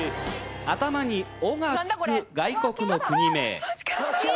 頭におがつく外国の国名。